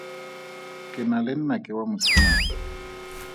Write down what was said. Ke na le nnake wa mosimane.